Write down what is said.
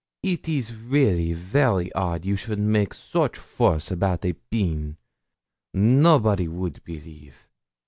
It is really very odd you should make such fuss about a pin! Nobody would believe!